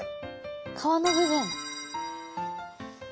皮の部分。